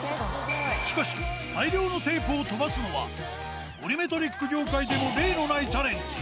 しかし、大量のテープを飛ばすのは、ボリュメトリック業界でも例のないチャレンジ。